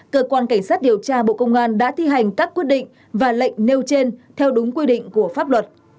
cơ quan cảnh sát điều tra bộ công an đã thi hành các quyết định và lệnh nêu trên theo đúng quy định của pháp luật